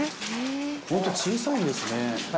本当、小さいんですね。